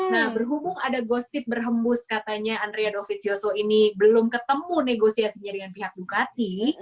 nah berhubung ada gosip berhembus katanya andreadovit sioso ini belum ketemu negosiasinya dengan pihak dukati